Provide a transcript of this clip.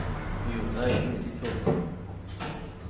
Yuba ilul deg Tubeṛ.